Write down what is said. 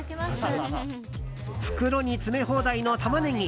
袋に詰め放題のタマネギ。